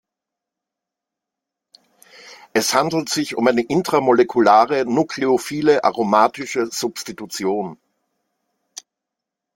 Es handelt sich um eine intramolekulare, nucleophile aromatische Substitution.